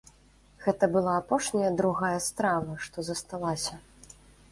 Гэта была апошняя другая страва, што засталася.